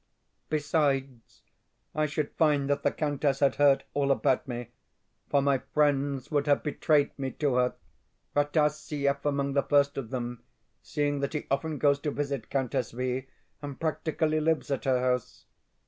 Besides, I should find that the countess had heard all about me, for my friends would have betrayed me to her Rataziaev among the first of them, seeing that he often goes to visit Countess V., and practically lives at her house.